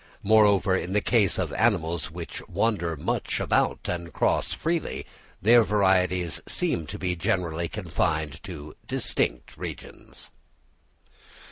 Moreover, in the case of animals which wander much about and cross freely, their varieties seem to be generally confined to distinct regions.